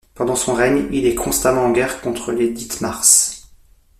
Pendant son règne il est constamment en guerre contre les Dithmarse.